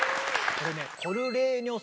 これね